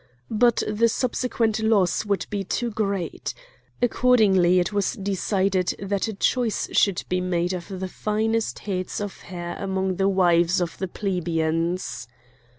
But the subsequent loss would be too great. Accordingly it was decided that a choice should be made of the finest heads of hair among the wives of the plebeians.